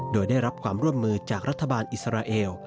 โดยได้รับความร่วมมือจากรัฐบาลอิสราเอล